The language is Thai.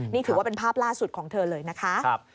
นี่ถือว่าเป็นภาพล่าสุดของเธอเลยนะคะ